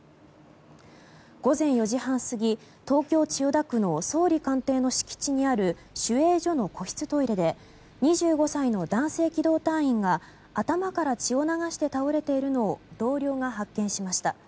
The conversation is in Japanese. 午前４時半過ぎ東京・千代田区の総理官邸の敷地にある守衛所の個室トイレで２５歳の男性機動隊員が頭から血を流して倒れているのを同僚が発見しました。